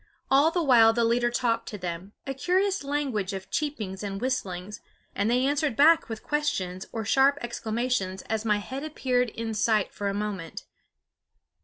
All the while the leader talked to them, a curious language of cheepings and whistlings; and they answered back with questions or sharp exclamations as my head appeared in sight for a moment.